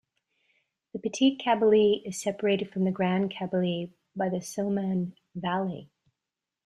The Petite Kabylie is separated from the Grande Kabylie by the Soummam Valley.